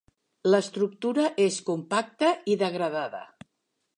L'estructura és compacta i degradada.